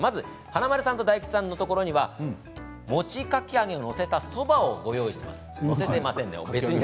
華丸さんと大吉さんのところには餅かき揚げを載せたそばをご用意しています。